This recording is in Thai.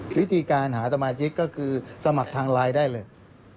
วิธีการหาสมาชิกก็คือสมัครทางไลน์ได้เลย